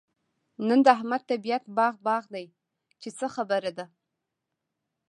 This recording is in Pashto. نن د احمد طبيعت باغ باغ دی؛ چې څه خبره ده؟